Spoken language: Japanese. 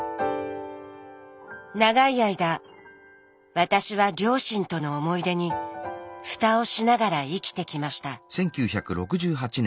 長い間私は両親との思い出に蓋をしながら生きてきました。